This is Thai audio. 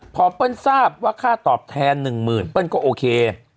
พอเปิ้ลทราบว่าค่าตอบแทน๑หมื่นเปิ้ลก็โอเค